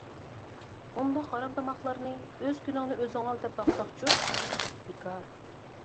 ئۇنداق ھارامتاماقلارنى ئۆز كۈنۈڭنى ئۆزۈڭ ئال، دەپ باقساقچۇ؟ بىكار!